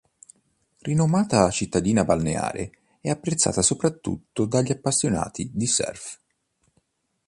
Rinomata cittadina balneare, è apprezzata soprattutto dagli appassionati di surf.